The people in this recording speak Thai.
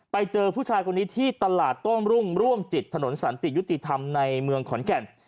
ไปเจอผู้ชายคนนี้ที่ตลาดโต้มรุ่งร่วมจิตถนนสันติยุติธรรมในเมืองขอนแก่น